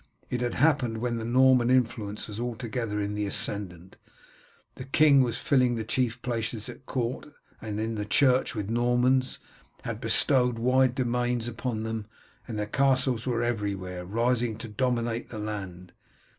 It had happened when the Norman influence was altogether in the ascendant. The king was filling the chief places at court and in the church with Normans, had bestowed wide domains upon them, and their castles were everywhere rising to dominate the land.